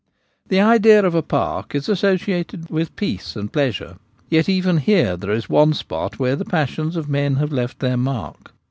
The idea of a park is associated with peace and pleasure, yet even here there is one spot where the passions of men have left their mark.